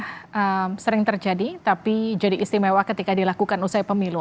yang sering terjadi tapi jadi istimewa ketika dilakukan usai pemilu